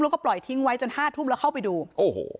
แล้วก็ปล่อยทิ้งไว้จนห้าทุ่มแล้วเข้าไปดูโอ้โห